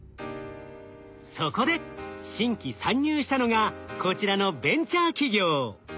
そこで新規参入したのがこちらのベンチャー企業。